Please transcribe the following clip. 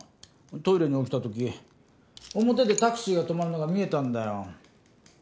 トイレに起きたとき表でタクシーが止まるのが見えたんだよ。